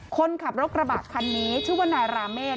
คนขับรถกระบะคันนี้ชื่อว่านายราเมฆ